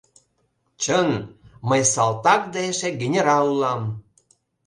Чын, мый салтак да эше генерал улам!